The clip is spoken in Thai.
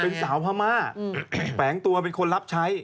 เป็นสาวพม่าแฝงตัวเป็นคนรับใช้